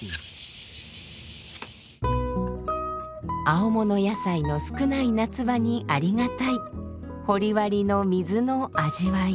青物野菜の少ない夏場にありがたい掘割の水の味わい。